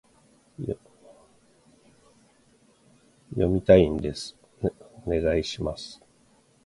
読みたいんです、お願いします